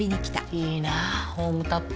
いいなホームタップ。